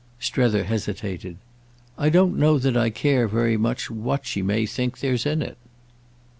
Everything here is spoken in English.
Strether hesitated. "I don't know that I care very much what she may think there's in it."